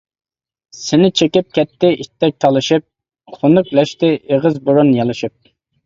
سېنى چېكىپ كەتتى ئىتتەك تالىشىپ، خۇنۈكلەشتى ئېغىز-بۇرۇن يالىشىپ.